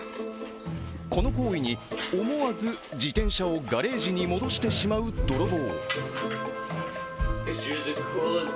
この行為に思わず自転車をガレージに戻してしまう泥棒。